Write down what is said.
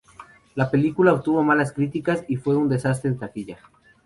La película obtuvo malas críticas y fue un desastre en taquilla.